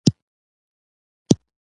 لاسونه ژور احساس لري